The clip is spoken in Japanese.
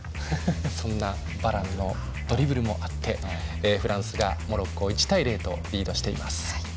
そんなバランのドリブルもあってフランスがモロッコを１対０と、リードしています。